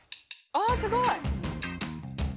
あすごい。